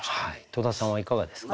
戸田さんはいかがですか？